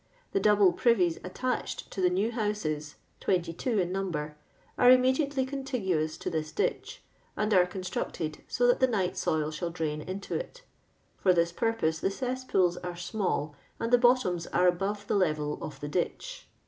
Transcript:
The double privies attached to the new houses (22 in number) are immediately contiguous to this ditch, and are constructed so that the night soil shall drain into it For this purpose the cesspools are small, and the bottoms are abore the level of the ditch."